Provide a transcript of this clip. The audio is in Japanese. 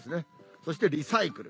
そしてリサイクル。